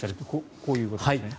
こういうことですね。